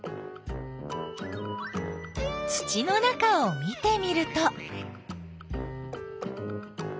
土の中を見てみると。